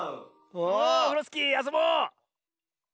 オフロスキーあそぼう！